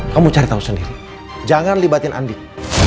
kamu cari tahu sendiri jangan libatin andik